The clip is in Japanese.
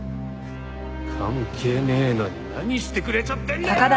関係ねえのに何してくれちゃってんだよ！